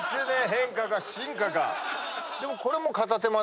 変化か進化か。